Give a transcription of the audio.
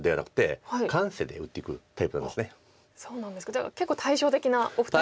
じゃあ結構対照的なお二人と。